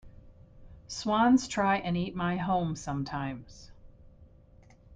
Swans try and eat my home sometimes.